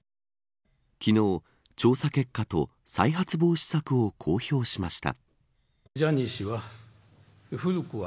昨日、調査結果と再発防止策を公表しました。